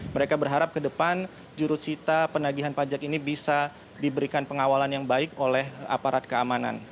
mereka berharap ke depan jurusita penagihan pajak ini bisa diberikan pengawalan yang baik oleh aparat keamanan